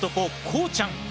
こうちゃん。